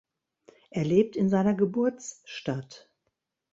Er lebt in seiner Geburtsstadt.